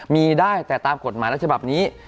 มีได้แต่ตามกฎหมายรัชฉบับนี้